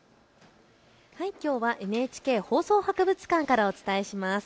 きょうはＮＨＫ放送博物館からお伝えします。